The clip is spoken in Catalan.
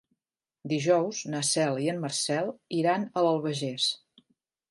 Dijous na Cel i en Marcel iran a l'Albagés.